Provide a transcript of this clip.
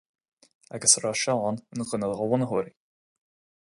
Agus a raibh Seán ina dhuine dá bhunaitheoirí.